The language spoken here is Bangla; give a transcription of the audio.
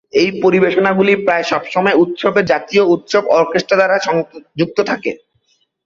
এই পরিবেশনাগুলি প্রায় সব সময় উৎসবের "জাতীয় উৎসব অর্কেস্ট্রা" দ্বারা সংযুক্ত থাকে।